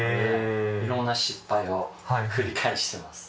いろんな失敗を繰り返してます